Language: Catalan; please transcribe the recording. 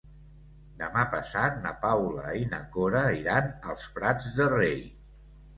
Demà passat na Paula i na Cora iran als Prats de Rei.